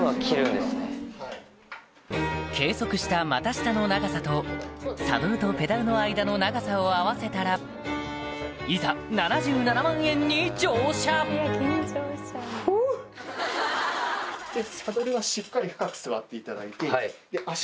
計測した股下の長さとサドルとペダルの間の長さを合わせたらいざちょっと触りますね。